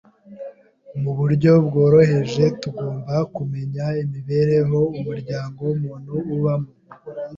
mu buryo bworoheje, tugomba kumenya imibereho umuryango muntu ubamo.